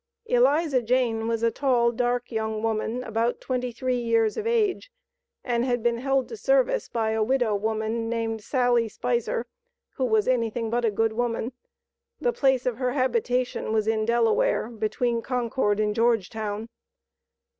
Eliza Jane was a tall, dark, young woman, about twenty three years of age, and had been held to service by a widow woman, named Sally Spiser, who was "anything but a good woman." The place of her habitation was in Delaware, between Concord and Georgetown.